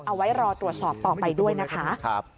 เอาไว้รอตรวจสอบต่อไปด้วยนะคะ